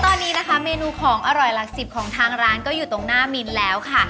ตอนนี้นะคะเมนูของอร่อยหลักสิบของทางร้านก็อยู่ตรงหน้ามินแล้วค่ะ